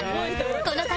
この方